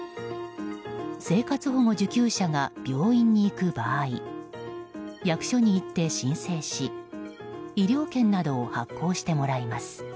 生活保護受給者が病院に行く場合役所に行って申請し医療券などを発行してもらいます。